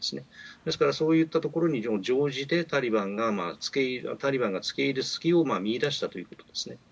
ですからそういったところに乗じてタリバンがつけ入る隙を見いだしたということですね。